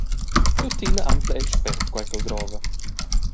Tuttina anfla el spert quei ch’el drova.